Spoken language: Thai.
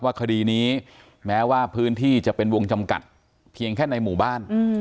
คดีนี้แม้ว่าพื้นที่จะเป็นวงจำกัดเพียงแค่ในหมู่บ้าน